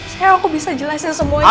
sekarang aku bisa jelasin semuanya